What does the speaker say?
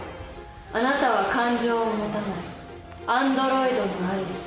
あなたは感情を持たないアンドロイドのアリス。